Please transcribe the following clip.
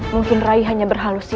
mungkin rai hanya berhalusinasi